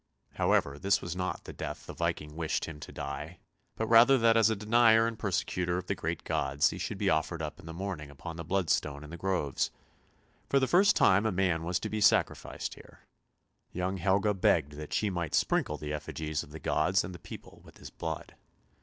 However, this was not the death the Viking wished him to 290 ANDERSEN'S FAIRY TALES die, but rather that as a denier and a persecutor of the great gods he should be offered up in the morning upon the bloodstone in the groves For the first time a man was to be sacrificed here. Young Helga begged that she might sprinkle the effigies of the gods and the people with his blood.